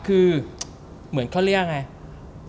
คือเหมือนเขาเรียกว่าไง